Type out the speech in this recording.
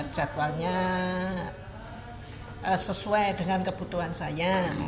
jadwalnya sesuai dengan kebutuhan saya